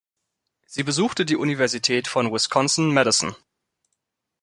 Sie besuchte die Universität von Wisconsin-Madison.